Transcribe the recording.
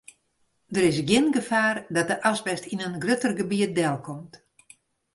Der is gjin gefaar dat de asbest yn in grutter gebiet delkomt.